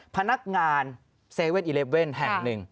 พนักงาน๗๑๑แห่งหนึ่ง